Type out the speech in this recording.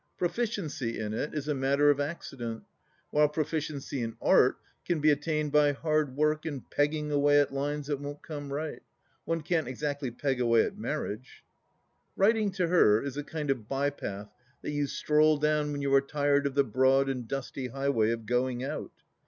Proficiency in it is a matter of accident ; while proficiency in art can be attained by hard work and " pegging away " at lines that won't come right. One can't exactly peg away at marriage I "Writing," to her, is a kind of by path that you stroll down when you are tired of the broad and dusty highway of " Going out."